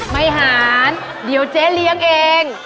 ไม่หารเดี๋ยวเจ๊เลี้ยงเอง